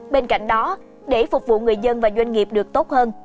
bên cạnh đó để phục vụ người dân và doanh nghiệp được tốt hơn